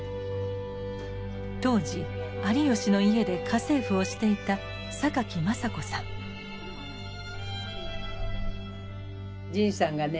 当時有吉の家で家政婦をしていた神さんがね